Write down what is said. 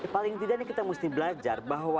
paling tidak ini kita mesti belajar bahwa